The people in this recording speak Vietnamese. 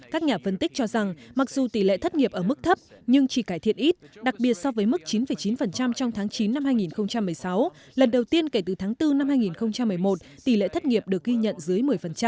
các nhà phân tích cho rằng mặc dù tỷ lệ thất nghiệp ở mức thấp nhưng chỉ cải thiện ít đặc biệt so với mức chín chín trong tháng chín năm hai nghìn một mươi sáu lần đầu tiên kể từ tháng bốn năm hai nghìn một mươi một tỷ lệ thất nghiệp được ghi nhận dưới một mươi